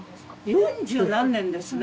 四十何年ですね。